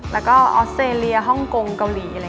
แล้วก็ออสเตรเลียฮ่องกงเกาหลี